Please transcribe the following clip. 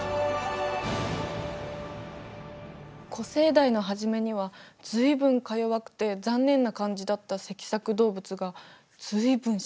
古生代のはじめには随分か弱くて残念な感じだった脊索動物が随分進化したのね。